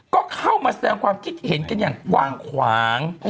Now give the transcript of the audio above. ก็เข้ามาแสดงความคิดเห็นกันอย่างกว้างขวาง